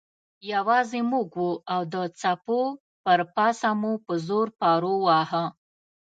یوازې موږ وو او د څپو پر پاسه مو په زور پارو واهه.